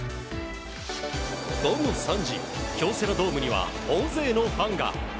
午後３時、京セラドームには大勢のファンが。